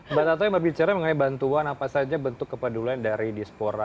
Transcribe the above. mbak tata yang berbicara mengenai bantuan apa saja bentuk kepedulian dari diaspora